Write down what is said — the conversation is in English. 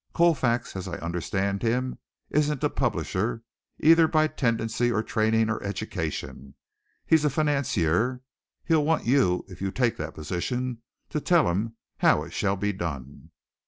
Colfax, as I understand him, isn't a publisher, either by tendency or training or education. He's a financier. He'll want you, if you take that position, to tell him how it shall be done.